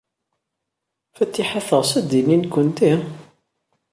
Fatiḥa teɣs ad d-tini nekkenti?